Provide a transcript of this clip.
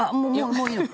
もういいの？